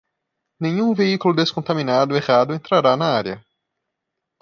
Nenhum veículo descontaminado errado entrará na área.